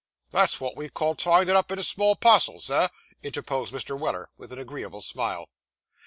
'That's wot we call tying it up in a small parcel, sir,' interposed Mr. Weller, with an agreeable smile.